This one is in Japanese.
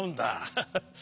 ハハハ。